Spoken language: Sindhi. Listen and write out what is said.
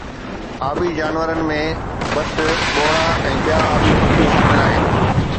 آبي جانورن ۾ بتھ، ٻوڙا ۽ ٻيا آبي پکي شامل آھن